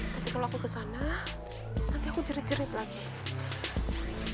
tapi kalau aku kesana nanti aku jerit jerit lagi